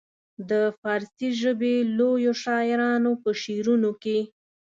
د فارسي ژبې لویو شاعرانو په شعرونو کې.